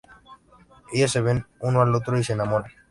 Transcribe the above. Ellos se ven uno al otro y se enamoran.